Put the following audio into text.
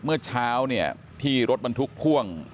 เมื่อเช้าเนี่ยที่รถบรรทุกพ่วง